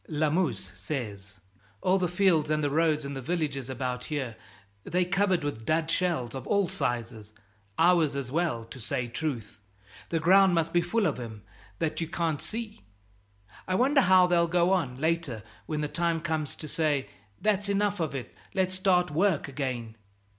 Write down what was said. Lamuse says: "All the fields and the roads and the villages about here, they're covered with dud shells of all sizes ours as well, to say truth. The ground must be full of 'em, that you can't see. I wonder how they'll go on, later, when the time comes to say, 'That's enough of it, let's start work again.'"